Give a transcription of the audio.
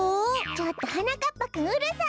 ちょっとはなかっぱくんうるさい！